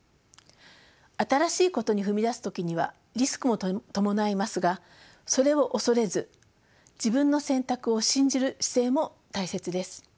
新しいことに踏み出す時にはリスクも伴いますがそれを恐れず自分の選択を信じる姿勢も大切です。